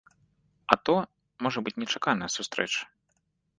А то, можа быць нечаканая сустрэча.